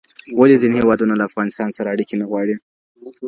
ولي ځینې هېوادونه له افغانستان سره اړیکي نه غواړي؟